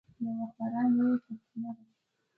د افغانستان طبیعت له مختلفو او خوږو انارو څخه جوړ شوی دی.